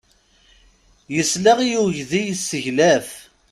Yesla i uydi yesseglaf.